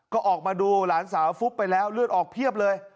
ก็ออกมาดูหลานสาวฟุบไปแล้วเลือดออกเพียบเลย